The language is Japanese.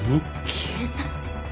消えた？